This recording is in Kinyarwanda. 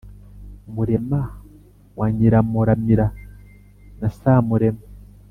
murema wa nyiramuramira na samurema